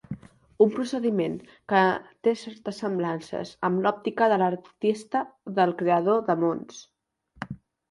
Un procediment que té certes semblances amb l'òptica de l'artista, del creador de mons.